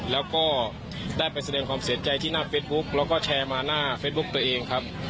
แล้วก็ได้ไปแสดงความเสียใจที่หน้าเฟซบุ๊กแล้วก็แชร์มาหน้าเฟซบุ๊คตัวเองครับ